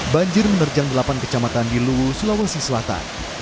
banjir menerjang delapan kecamatan di luwu sulawesi selatan